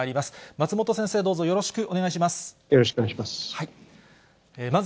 松本先生、どうぞよろしくお願いします。